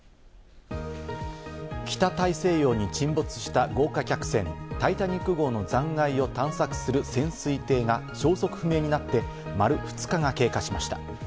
北大西洋に沈没した豪華客船タイタニック号の残骸を探索する潜水艇が消息不明になって丸２日が経過しました。